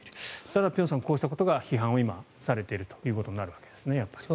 ただ、辺さんこうしたことが批判されていることになるんですね。